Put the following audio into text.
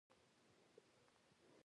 عطرونه د شخصیت ځانګړي بوی ټاکي.